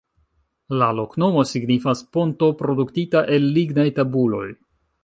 La loknomo signifas: "ponto produktita el lignaj tabuloj".